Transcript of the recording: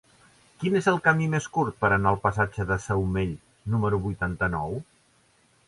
Quin és el camí més curt per anar al passatge de Saumell número vuitanta-nou?